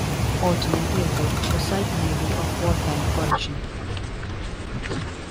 Alternatively, the site may be of volcanic origin.